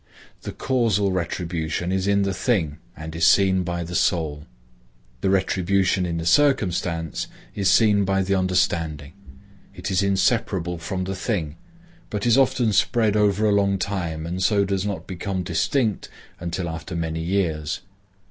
The causal retribution is in the thing and is seen by the soul. The retribution in the circumstance is seen by the understanding; it is inseparable from the thing, but is often spread over a long time and so does not become distinct until after many years.